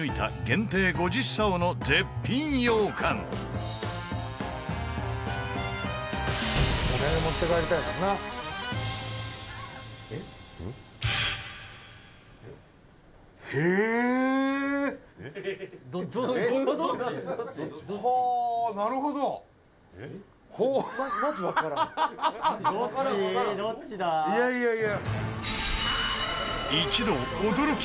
伊達：いやいやいや！